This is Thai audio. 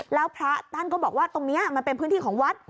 แล้วพระท่านก็บอกว่าตรงนี้มันเป็นพื้นที่ของวัด